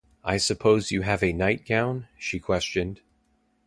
“I suppose you have a nightgown?” she questioned.